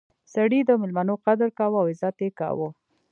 سړی د میلمنو قدر کاوه او عزت یې کاوه.